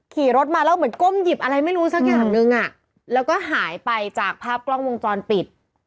ขี่รถมาแล้วเหมือนก้มหยิบอะไรไม่รู้สักอย่างนึงอ่ะแล้วก็หายไปจากภาพกล้องวงจรปิด